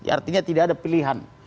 artinya tidak ada pilihan